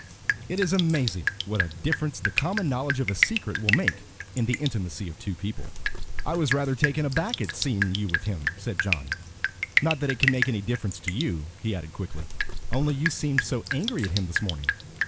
It is amazing what a difference the common knowledge of a secret will make in the intimacy of two people. "I was rather taken aback at seeing you with him," said John. "Not that it can make any difference to you," he added quickly, "only you seemed so angry at him this morning."